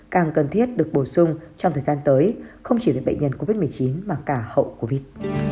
càng cần thiết được bổ sung trong thời gian tới không chỉ là bệnh nhân covid một mươi chín mà cả hậu covid